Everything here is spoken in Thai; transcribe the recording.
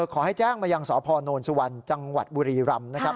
ขอให้แจ้งมายังสพนสุวรรณจังหวัดบุรีรำนะครับ